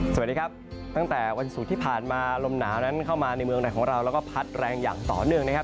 สวัสดีครับตั้งแต่วันศุกร์ที่ผ่านมาลมหนาวนั้นเข้ามาในเมืองไหนของเราแล้วก็พัดแรงอย่างต่อเนื่องนะครับ